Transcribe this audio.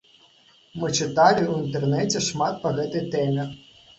Мы чыталі ў інтэрнэце шмат па гэтай тэме.